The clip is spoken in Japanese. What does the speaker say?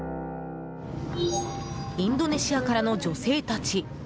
インドネシアからの女性たち。